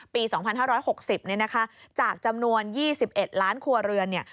ปี๒๕๖๐เนี่ยนะคะจากจำนวน๒๑ล้านครัวเรือนเนี่ย